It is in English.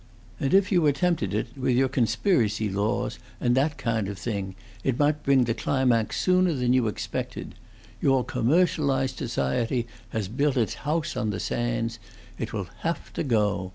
And if you attempted it, with your conspiracy laws, and that kind of thing, it might bring the climax sooner than you expected. Your commercialized society has built its house on the sands. It will have to go.